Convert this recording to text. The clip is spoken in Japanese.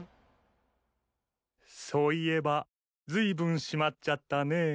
そういえばずいぶんしまっちゃったね。